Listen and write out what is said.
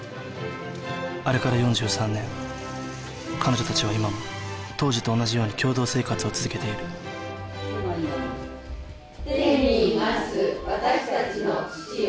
あれから４３年彼女達は今も当時と同じように共同生活を続けている「天にいます私達の父よ」